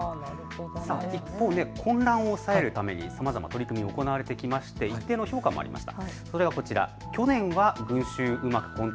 一方、混乱を抑えるためにさまざま取り組み、行われてきていまして一定の評価もありました。